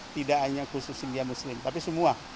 tidak hanya khusus india muslim tapi semua